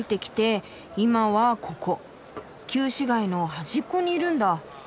旧市街の端っこにいるんだ。